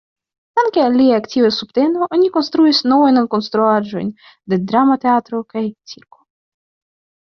Danke al lia aktiva subteno oni konstruis novajn konstruaĵojn de drama teatro kaj cirko.